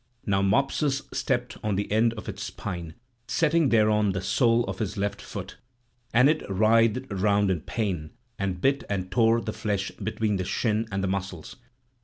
Now Mopsus stepped on the end of its spine, setting thereon the sole of his left foot; and it writhed round in pain and bit and tore the flesh between the shin and the muscles.